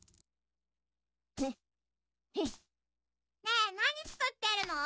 ねえなにつくってるの？